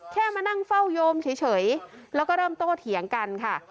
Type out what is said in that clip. แค่มานั่งเฝ้าโยมเฉยแล้วก็เริ่มโตเถียงกันค่ะ